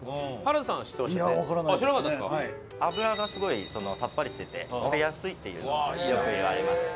脂がすごいさっぱりしてて食べやすいっていうのはよく言われますね。